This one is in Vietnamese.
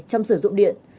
trong sử dụng điện